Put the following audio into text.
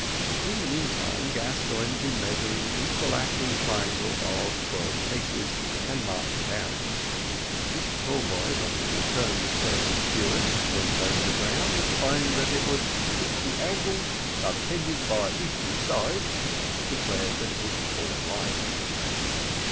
In the meantime, Gascoigne had been measuring an equilateral triangle of twelve paces and marked it out. Mr Tallboys, on his return with the purser's steward, went over the ground, and finding that it was "equal angles subtended by equal sides," declared that it was all right.